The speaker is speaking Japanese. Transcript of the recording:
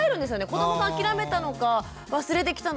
子どもが諦めたのか忘れてきたのか。